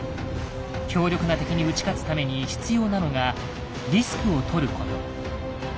強力な敵に打ち勝つために必要なのがリスクをとること。